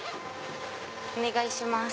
お願いします。